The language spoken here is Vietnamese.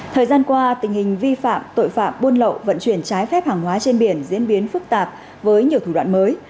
thời gian qua tình hình vi phạm tội phạm buôn lậu vận chuyển trái phép hàng hóa trên biển diễn biến phức tạp với nhiều thủ đoạn mới